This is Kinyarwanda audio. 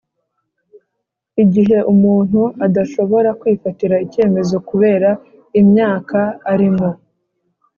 igihe umuntu adashobora kwifatira icyemezo kubera imyaka arimo,